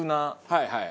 はいはい。